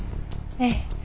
ええ。